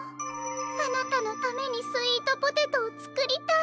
あなたのためにスイートポテトをつくりたい。